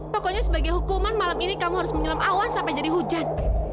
pokoknya sebagai hukuman malam ini kamu harus menyelam awan sampai jadi hujan